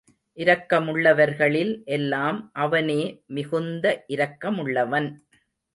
இரக்கமுள்ளவர்களில் எல்லாம் அவனே மிகுந்த இரக்கமுள்ளவன்.